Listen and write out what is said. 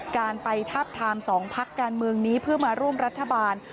การไปทาบทาม๒พักการเมืองนี้เพื่อมาร่วมรัฐบาล